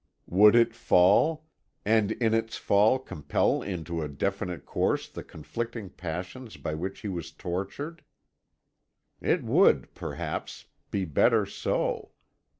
Would it fall, and in its fall compel into a definite course the conflicting passions by which he was tortured? It would, perhaps, be better so.